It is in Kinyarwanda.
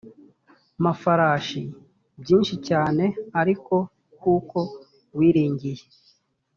mafarashi byinshi cyane ariko kuko wiringiye